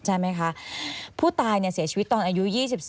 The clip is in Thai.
ใช่ไหมคะผู้ตายเสียชีวิตตอนอายุ๒๒